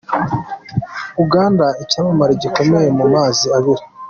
Uganda icyamare gikomeye mu mazi abira